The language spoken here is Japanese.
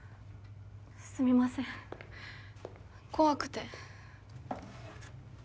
すみません怖くて。